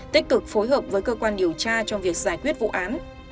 tích cực phối hợp với cơ quan điều tra trong việc giải quyết vụ án